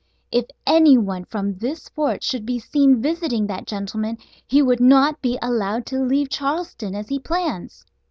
If anyone from this fort should be seen visiting that gentleman he would not be allowed to leave Charleston as he plans.